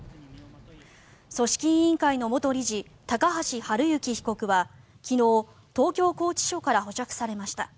組織委員会の元理事高橋治之被告は昨日東京拘置所から保釈されました。